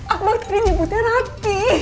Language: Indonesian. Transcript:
apa tadi nyebutnya rati